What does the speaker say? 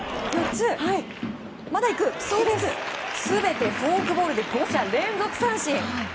全てフォークボールで５者連続三振！